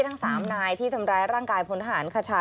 ทั้ง๓นายที่ทำร้ายร่างกายพลทหารคชา